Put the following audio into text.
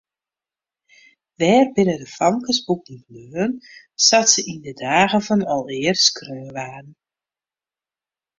Wêr binne de famkesboeken bleaun sa't se yn de dagen fan alear skreaun waarden?